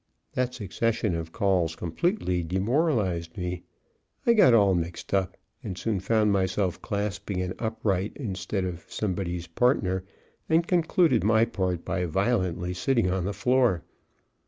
That succession of calls completely demoralized me. I got all mixed up, and soon found myself clasping an upright instead of somebody's partner, and concluded my part by violently sitting on the floor.